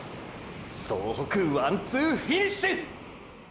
総北ワンツーフィニッシュ！！